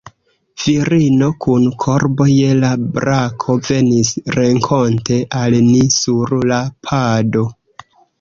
Virino kun korbo je la brako venis renkonte al ni sur la pado.